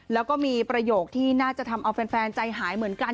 แล้วก็มีประโยคที่น่าจะทำเอาแฟนใจหายเหมือนกัน